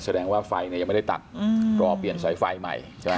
แสดงว่าไฟเนี่ยยังไม่ได้ตัดรอเปลี่ยนสายไฟใหม่ใช่ไหม